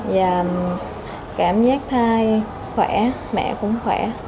và cảm giác thai khỏe mẹ cũng khỏe